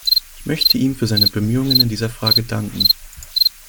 Ich möchte ihm für seine Bemühungen in dieser Frage danken.